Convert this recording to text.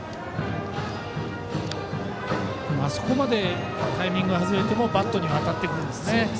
あそこまでタイミング外れてもバットには当たってくるんですね。